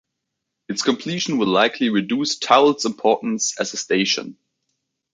Its completion will likely reduce Toul's importance as a station.